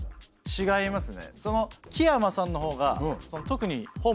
違いますね。